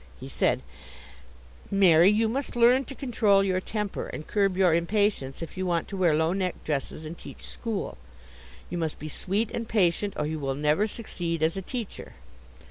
He said: "Mary, you must learn to control your temper and curb your impatience if you want to wear low neck dresses, and teach school. You must be sweet and patient, or you will never succeed as a teacher.